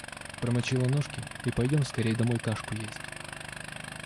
Промочила ножки и пойдем скорее домой кашку есть.